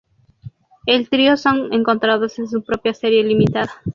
El trío son encontrados en su propia serie limitada.